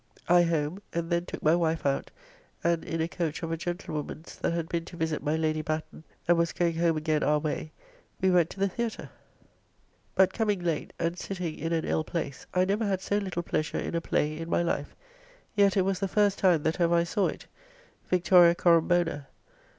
I home and then took my wife out, and in a coach of a gentlewoman's that had been to visit my Lady Batten and was going home again our way, we went to the Theatre, but coming late, and sitting in an ill place, I never had so little pleasure in a play in my life, yet it was the first time that ever I saw it, "Victoria Corombona."